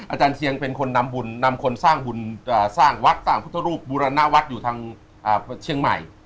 อาจารย์เชียงเป็นคนนำบุญนำคนสร้างบุญสร้างวัดสร้างพุทธรูปบูรณวัฒน์อยู่ทางเชียงใหม่